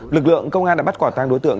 lực lượng công an đã bắt quả tăng đối tượng